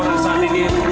dan jangan berdiri